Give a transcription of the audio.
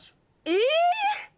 え！